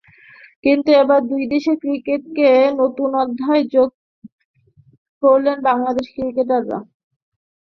কিন্তু এবার দুই দেশের ক্রিকেটে নতুন অধ্যায় যোগ করলেন বাংলাদেশের ক্রিকেটাররা।